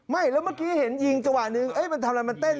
ไม่แล้วเมื่อกี้เห็นยิงสว่างนึงเอ๊ะมันทำอะไรมันเต้นส่อย